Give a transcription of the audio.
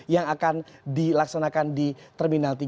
yang akan dilaksanakan di terminal tiga